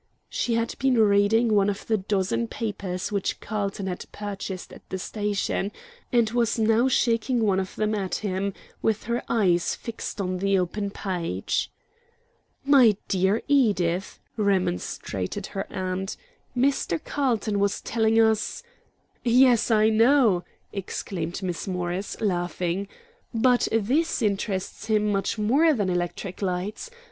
She had been reading one of the dozen papers which Carlton had purchased at the station, and was now shaking one of them at him, with her eyes fixed on the open page. "My dear Edith," remonstrated her aunt, "Mr. Carlton was telling us " "Yes, I know," exclaimed Miss Morris, laughing, "but this interests him much more than electric lights.